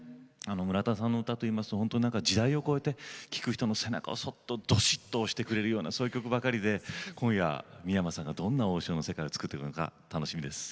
村田さんというと時代を超えて聴く人の背中をどしっと押してくれるようなそんな曲ばかりで今夜、三山さんがどんな「王将」の世界を作ってくれるのか楽しみです。